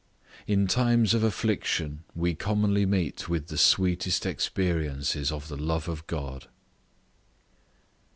In times of affliction we commonly meet with the sweetest experiences of the love of God.